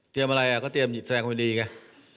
เตรียมอะไรก็เตรียมแสดงความดีไง